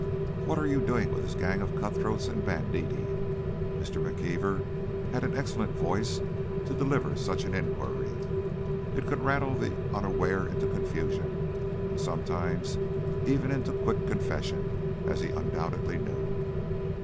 "What are you doing with this gang of cutthroats and banditti?" Mr. McKeever had an excellent voice to deliver such an inquiry; it could rattle the unaware into confusion, and sometimes even into quick confession, as he undoubtedly knew.